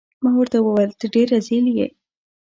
ما ورته وویل: ته ډیر رزیل يې.